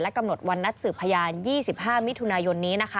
กำหนดวันนัดสืบพยาน๒๕มิถุนายนนี้